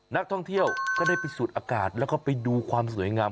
นักท่องเที่ยวก็ได้ไปสูดอากาศแล้วก็ไปดูความสวยงาม